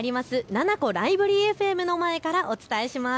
７７５ライブリーＦＭの前からお伝えします。